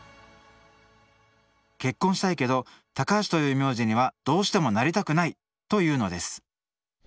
「結婚したいけど高橋という名字にはどうしてもなりたくない！」と言うのです。